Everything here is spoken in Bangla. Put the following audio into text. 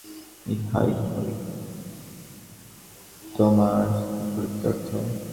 ইহাই হইল তোমার দুঃখের প্রকৃত অর্থ।